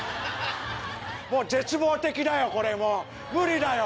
もう絶望的だよこれもう無理だよ